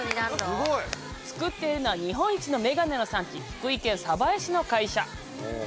作っているのは日本一のメガネの産地福井県江市の会社！